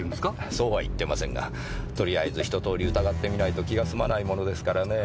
そうは言ってませんがとりあえず一通り疑ってみないと気がすまないものですからねぇ。